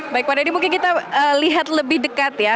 baik pak deddy mungkin kita lihat lebih dekat ya